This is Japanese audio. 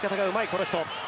この人。